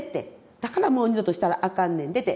だからもう二度としたらあかんねんでって。